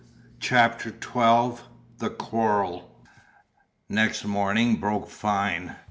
CHAPTER XII THE QUARREL Next morning broke fine.